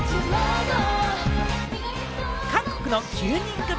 韓国の９人組